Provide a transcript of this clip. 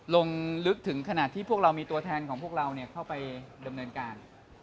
ลงลึกถึงขนาดที่พวกเรามีตัวแทนของพวกเราเข้าไปดำเนินการ